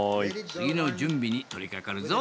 次の準備に取りかかるぞ。